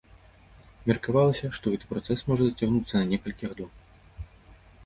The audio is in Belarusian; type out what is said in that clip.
Меркавалася, што гэты працэс можа зацягнуцца на некалькі гадоў.